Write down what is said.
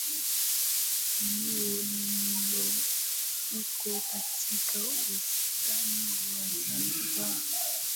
Eneo lililohuka katika Usultani wa Zanzibar